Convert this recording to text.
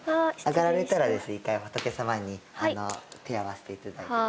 上がられたらですね１回仏様に手を合わせて頂いて。